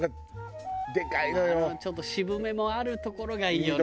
ちょっと渋めもあるところがいいよね。